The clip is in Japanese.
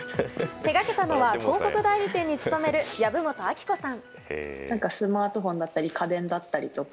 手がけたのは広告代理店に勤める藪本晶子さん。